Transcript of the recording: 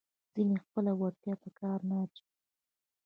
ځینې خپله وړتیا په کار نه اچوي.